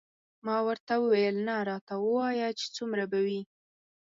ما ورته وویل نه راته ووایه چې څومره به وي.